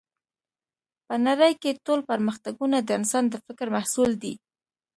په نړۍ کې ټول پرمختګونه د انسان د فکر محصول دی